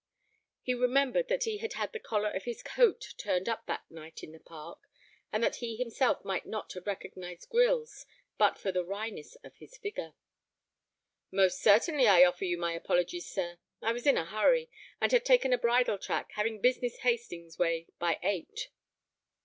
He remembered that he had had the collar of his coat turned up that night in the park, and that he himself might not have recognized Grylls but for the wryness of his figure. "Most certainly, I offer you my apologies, sir. I was in a hurry, and had taken a bridle track, having business Hastings way by eight."